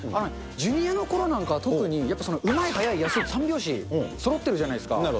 ジュニアのころなんかは特にやっぱうまい、早い、安いって３拍子そろってるじゃないですか。